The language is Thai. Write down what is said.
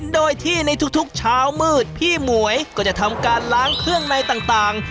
โดยที่ในทุกเช้ามืดพี่หมวยก็จะทำการล้างเครื่องในต่าง